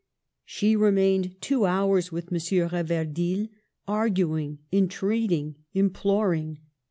She remained two hours with M. Reverdil, arguing, entreating, imploring.